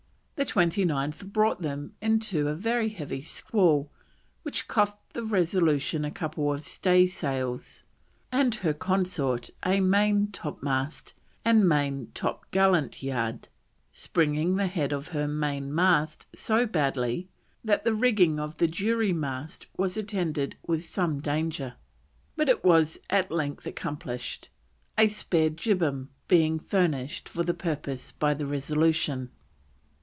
The 29th brought them into a very heavy squall which cost the Resolution a couple of staysails and her consort a main topmast and main topgallant yard, springing the head of her main mast so badly that the rigging of a jury mast was attended with some danger, but it was at length accomplished, a spare jibboom being furnished for the purpose by the Resolution.